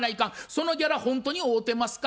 そのギャラほんとに合うてますか？